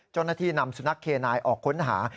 เจ้าหน้าที่นำสุนัขเคนายออกค้นหา